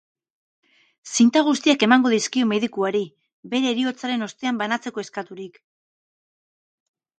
Zinta guztiak emango dizkio medikuari, bere heriotzaren ostean banatzeko eskaturik.